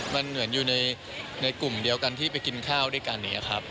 มันเหมือนอยู่ในกลุ่มเดียวกันที่ไปกินข้าวด้วยกันอย่างนี้ครับ